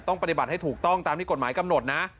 ต้องปฏิบัติให้ถูกต้องตามที่กฎหมายกำหนดนะ